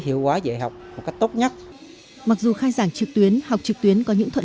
hiệu quả dạy học một cách tốt nhất mặc dù khai giảng trực tuyến học trực tuyến có những thuận